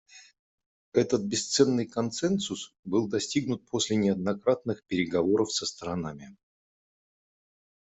Этот бесценный консенсус был достигнут после неоднократных переговоров со сторонами.